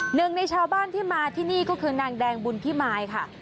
หนึ่งในชาวบ้านที่มาที่นี่ก็คือนางแดงบุญพิมายค่ะ